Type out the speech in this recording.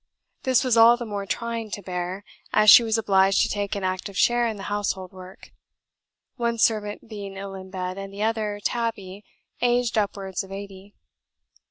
This was all the more trying to bear, as she was obliged to take an active share in the household work, one servant being ill in bed, and the other, Tabby, aged upwards of eighty.